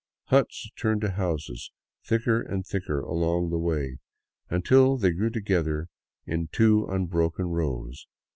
Huts turned to houses, thicker and thicker along the way, until they grew together into two unbroken rows.